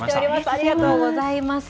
ありがとうございます。